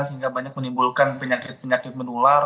sehingga banyak menimbulkan penyakit penyakit menular